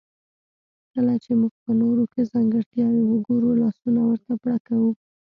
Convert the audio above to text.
کله چې موږ په نورو کې ځانګړتياوې وګورو لاسونه ورته پړکوو.